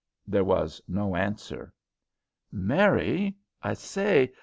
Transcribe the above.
There was no answer. "Mary, I say.